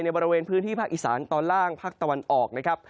บริเวณพื้นที่ภาคอีสานตอนล่างภาคตะวันออกนะครับ